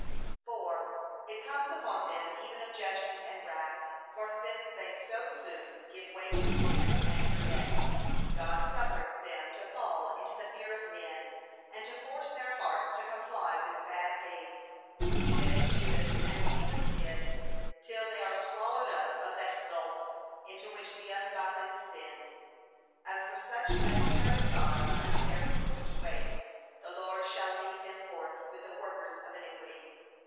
4. It comes upon them even of judgment and wrath, for since they so soon give way to sin, and forget, God suffereth them to fall into the fear of men, and to force their hearts to comply with bad things, even as Judas and Demas did, till they are swallowed up of that gulph, into which the ungodly descend. 'As for such as turn aside unto their crooked ways, the Lord shall lead them forth with the workers of iniquity.'